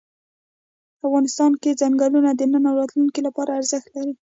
افغانستان کې چنګلونه د نن او راتلونکي لپاره ارزښت لري.